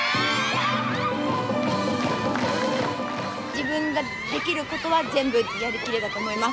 自分ができることは全部やりきれたと思います。